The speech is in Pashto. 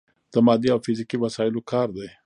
د مادي او فزیکي وسايلو کار دی.